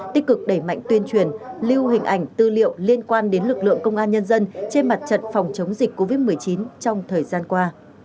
tích cực đẩy mạnh tuyên truyền lưu hình ảnh tư liệu liên quan đến lực lượng công an nhân dân trên mặt trận phòng chống dịch covid một mươi chín trong thời gian qua